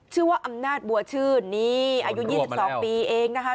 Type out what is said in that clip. ชื่อว่าอำนาจบัวชื่นนี่อายุ๒๒ปีเองนะคะ